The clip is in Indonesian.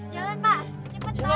jalan pak cepetan